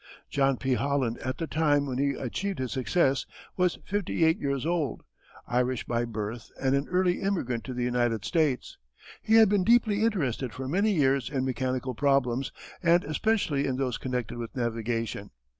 John P. Holland at the time when he achieved his success was fifty eight years old, Irish by birth and an early immigrant to the United States. He had been deeply interested for many years in mechanical problems and especially in those connected with navigation.